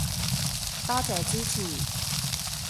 多謝支持